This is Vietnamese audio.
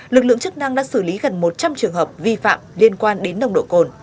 lực lượng chức năng đã xử lý gần một trăm linh trường hợp vi phạm liên quan đến nồng độ cồn